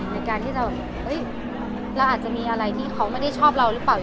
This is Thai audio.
ในการที่จะแบบเราอาจจะมีอะไรที่เขาไม่ได้ชอบเราหรือเปล่า